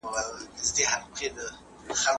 آیا طبیعي ښکلا تر مصنوعي ښکلا غوره ده؟